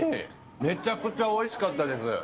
めちゃくちゃおいしかったです。